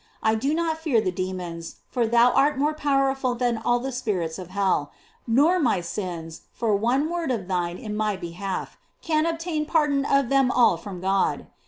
I do not fear the demons, for thou art more powerful than all the spirits of hell; nor my sins, for one word of thine in my behalf can obtain pardon of them all from God.